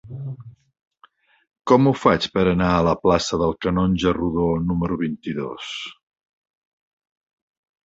Com ho faig per anar a la plaça del Canonge Rodó número vint-i-dos?